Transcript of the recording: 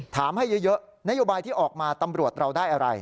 ให้เยอะนโยบายที่ออกมาตำรวจเราได้อะไร